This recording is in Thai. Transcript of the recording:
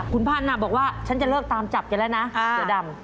คุณพันธ์บอกว่าฉันจะเลิกตามจับแกแล้วนะเสือดำ